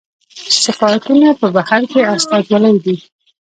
سفارتونه په بهر کې استازولۍ دي